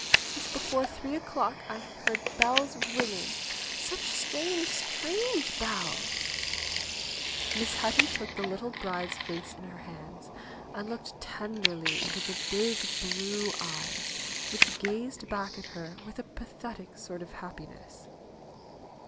Since before three o'clock I have heard bells ringing; such strange, strange bells !" Miss Hetty took the little bride's face in her hands and looked tenderly into the big blue eyes, which gazed back at her with a pathetic sort of happiness.